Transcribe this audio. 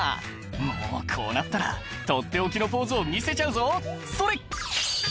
「もうこうなったらとっておきのポーズを見せちゃうぞそれ！」